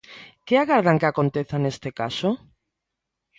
Que agardan que aconteza neste caso?